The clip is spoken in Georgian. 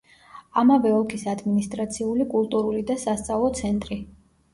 ამავე ოლქის ადმინისტრაციული, კულტურული და სასწავლო ცენტრი.